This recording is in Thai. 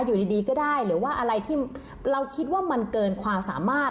อยู่ดีก็ได้หรือว่าอะไรที่เราคิดว่ามันเกินความสามารถ